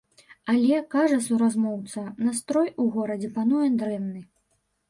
Але, кажа суразмоўца, настрой у горадзе пануе дрэнны.